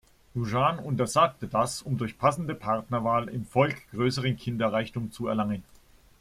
Goujian untersagte das, um durch passende Partnerwahl im Volk größeren Kinderreichtum zu erlangen.